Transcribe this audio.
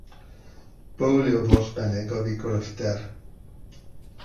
Bowlio, fodd bynnag, oedd ei gryfder.